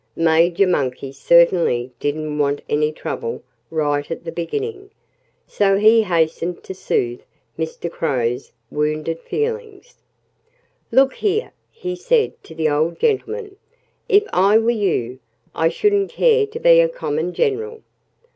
Major Monkey certainly didn't want any trouble right at the beginning. So he hastened to soothe Mr. Crow's wounded feelings. "Look here," he said to the old gentleman, "if I were you I shouldn't care to be a common general."